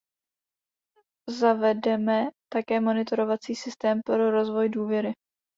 Zavedeme také monitorovací systém pro rozvoj důvěry.